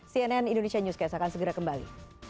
cnn indonesia newscast akan segera kembali